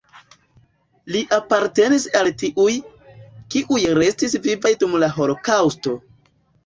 Li apartenis al tiuj, kiuj restis vivaj dum la holokaŭsto.